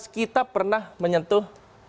dua ribu lima belas kita pernah menyentuh empat belas